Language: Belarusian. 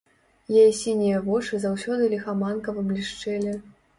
Яе сінія вочы заўсёды ліхаманкава блішчэлі.